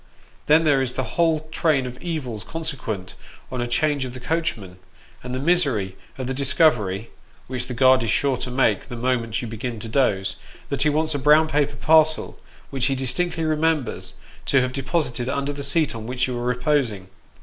Then there is the whole train of evils consequent on a change of the coachman; and the misery of the discovery which the guard is sure to make the moment you begin to doze that he wants a brown paper parcel, which ho distinctly remembers to have deposited under the seat on which you are reposing.